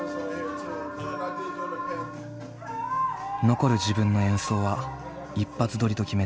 残る自分の演奏は一発録りと決めている。